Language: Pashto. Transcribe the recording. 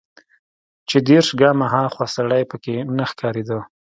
چې دېرش ګامه ها خوا سړى پکښې نه ښکارېده.